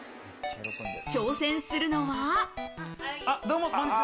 挑戦するのは。